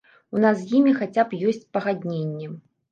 У нас з імі хаця б ёсць пагадненне.